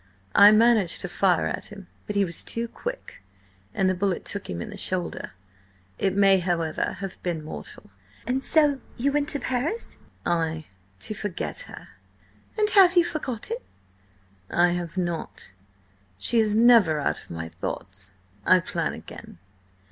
"I managed to fire at him, but he was too quick, and the bullet took him in the shoulder. It may, however, have been mortal." "And so you went to Paris?" "Ay. To forget her." "And have you forgotten?" "I have not. She is never out of my thoughts. I plan again."